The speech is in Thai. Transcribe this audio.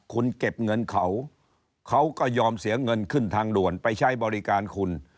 คุณเก็บเงินเขาเขาก็ยอมเสียเงินขึ้นทางด่วนไปใช้บริการคุณ